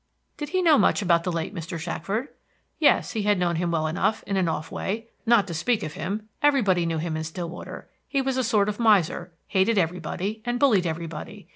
Did he know much about the late Mr. Shackford? Yes, he had known him well enough, in an off way, not to speak of him; everybody knew him in Stillwater; he was a sort of miser, hated everybody, and bullied everybody.